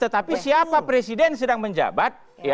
tetapi siapa presiden sedang menjabat